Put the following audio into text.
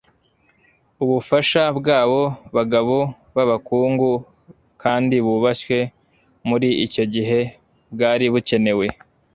Ubufasha bw'abo bagabo b'abakungu kandi bubashywe, muri icyo gihe bwari bukenewe.